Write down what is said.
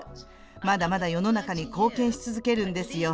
まだまだ世の中に貢献し続けるんですよ。